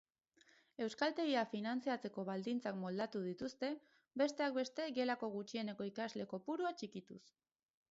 Euskaltegiak finantzatzeko baldintzak moldatuko dituzte, besteak beste gelako gutxieneko ikasle kopurua txikituz.